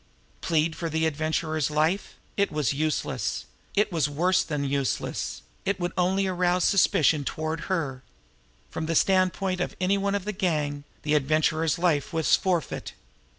Plead for the Adventurer's life? It was useless; it was worse than useless it would only arouse suspicion toward herself. From the standpoint of any one of the gang, the Adventurer's life was forfeit.